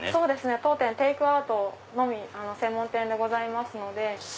当店テイクアウトのみの専門店でございますので。